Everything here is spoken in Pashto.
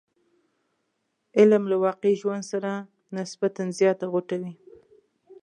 علم له واقعي ژوند سره نسبتا زیات غوټه وي.